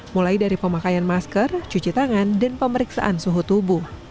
mulai dari pemakaian masker cuci tangan dan pemeriksaan suhu tubuh